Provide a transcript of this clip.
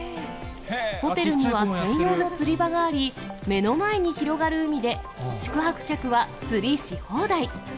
ホテルには専用の釣り場があり、目の前に広がる海で、宿泊客は釣りし放題。